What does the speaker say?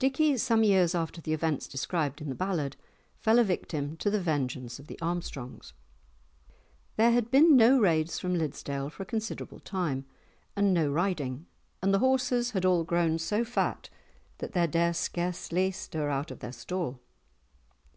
Dickie, some years after the events described in the ballad, fell a victim to the vengeance of the Armstrongs. There had been no raids from Liddesdale for a considerable time, and no riding, and the horses had all grown so fat that they dare scarcely stir out of the stall.